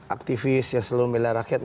aktivis yang selalu membela rakyat